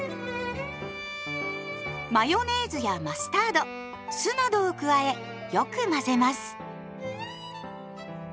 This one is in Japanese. マヨネーズやマスタード酢などを加えよく混ぜます。